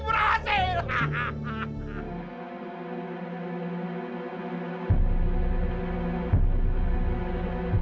kita mengumpulkan para windows